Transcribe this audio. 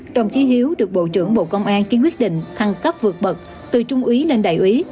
đồng chí hiếu được bộ trưởng bộ công an ký quyết định thăng cấp vượt bậc từ trung úy lên đại úy